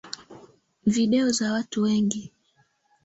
Video za watu wengi.